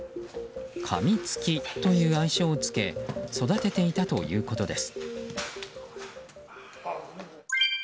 カミツキという愛称をつけ育てていたということです。